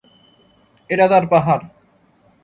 এটা তার পাহাড়।